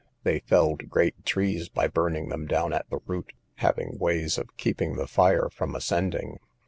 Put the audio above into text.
They felled great trees by burning them down at the root, having ways of keeping the fire from ascending.